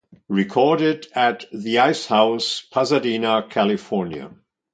Recorded at The Ice House, Pasadena, California.